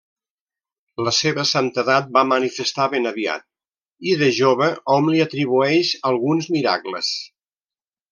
La seva santedat va manifestar ben aviat i de jove hom li atribueix alguns miracles.